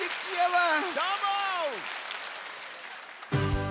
どーも！